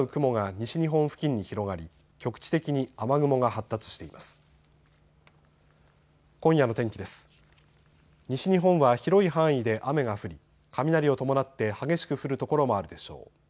西日本は広い範囲で雨が降り、雷を伴って激しく降る所もあるでしょう。